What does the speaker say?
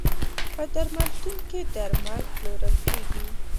په درملتون کې درمل پلورل کیږی.